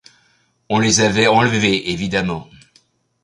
On les avait enlevés évidemment.